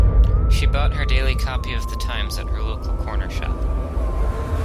She bought her daily copy of The Times at her local corner shop